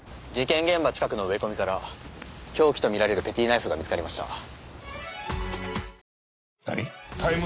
事件現場近くの植え込みから凶器とみられるペティナイフが見つかりました。